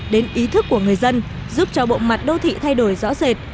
đến ý thức của người dân giúp cho bộ mặt đô thị thay đổi rõ rệt